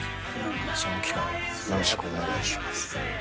その機会よろしくお願いします。